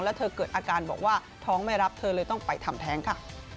แล้วเธอเกิดอาการบอกว่าท้องไม่รับเธอเลยต้องไปทำแท้งค่ะ